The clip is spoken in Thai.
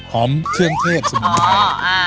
เครื่องเทศสุดท้าย